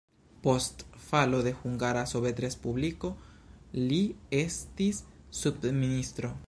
Post falo de Hungara Sovetrespubliko li estis subministro.